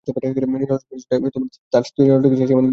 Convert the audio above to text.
নিরলস প্রচেষ্টায় তার স্কি যন্ত্রটিকে শেষ সীমানায় নিয়ে যেতে সমর্থ হয়।